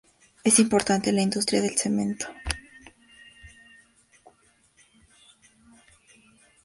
Es importante la industria del cemento.